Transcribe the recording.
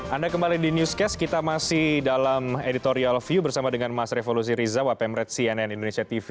anda kembali di newscast kita masih dalam editorial view bersama dengan mas revo lusiriza wapem red cnn indonesia tv